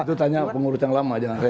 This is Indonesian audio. itu tanya pengurus yang lama jangan